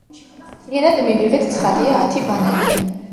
მთლიანად მივიღეთ, ცხადია, ათი ბანანი.